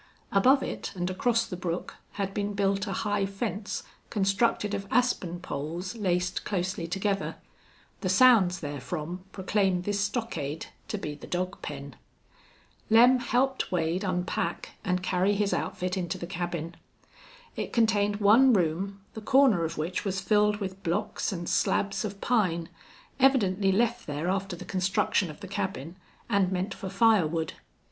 Above it, and across the brook, had been built a high fence constructed of aspen poles laced closely together. The sounds therefrom proclaimed this stockade to be the dog pen. Lem helped Wade unpack and carry his outfit into the cabin. It contained one room, the corner of which was filled with blocks and slabs of pine, evidently left there after the construction of the cabin, and meant for fire wood.